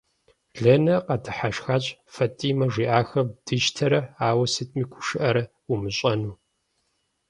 Ленэ къэдыхьэшхащ, Фатимэ жиӀахэр дищтэрэ ауэ сытми гушыӀэрэ умыщӀэну.